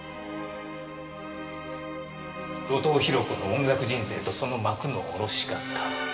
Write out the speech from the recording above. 後藤宏子の音楽人生とその幕の下ろし方。